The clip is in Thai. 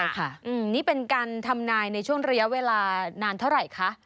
ใช่ค่ะนี่เป็นการทำนายในช่วงระยะเวลานานเท่าไหร่คะ